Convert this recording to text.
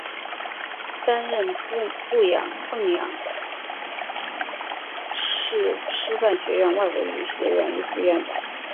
担任阜阳师范学院外国语学院副院长。